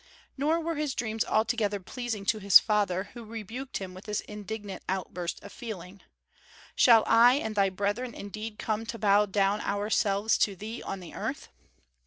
Nor were his dreams altogether pleasing to his father, who rebuked him with this indignant outburst of feeling: "Shall I and thy brethren indeed come to bow down ourselves to thee on the earth?"